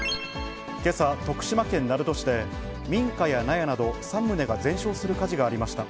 けさ、徳島県鳴門市で、民家や納屋など３棟が全焼する火事がありました。